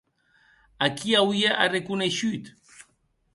A qui auie arreconeishut?